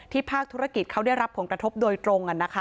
ภาคธุรกิจเขาได้รับผลกระทบโดยตรง